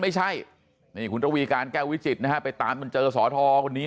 ไม่ใช่นี่คุณระวีการแก้ววิจิตนะฮะไปตามจนเจอสอทอคนนี้